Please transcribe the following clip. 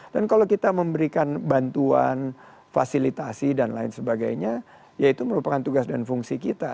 dan kalau kita memberikan bantuan fasilitasi dan lain sebagainya ya itu merupakan tugas dan fungsi kita